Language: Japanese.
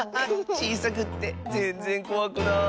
ちいさくってぜんぜんこわくない。